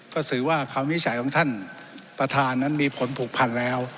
ก็ถือว่าคำวินิจฉัยของท่านประธานนั้นมีผลผูกพันแล้ว